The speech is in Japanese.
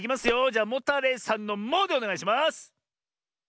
じゃモタレイさんの「モ」でおねがいします！